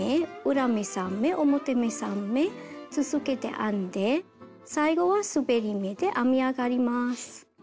裏目３目表目３目続けて編んで最後はすべり目で編み上がります。